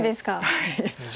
はい。